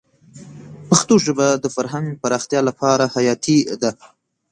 پښتو ژبه د فرهنګ پراختیا لپاره حیاتي ده.